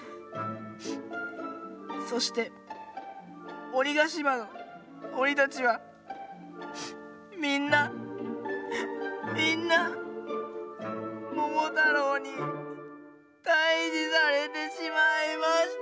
そして鬼がしまの鬼たちはみんなみんなももたろうにたいじされてしまいました」。